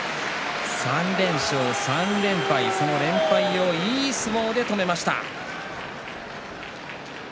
３連勝、３連敗その連敗をいい相撲で止めました。